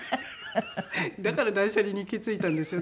だから断捨離に行き着いたんですよね。